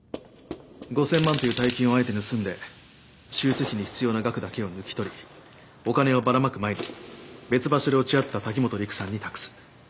５，０００万という大金をあえて盗んで手術費に必要な額だけを抜き取りお金をばらまく前に別場所で落ち合った滝本陸さんに託す。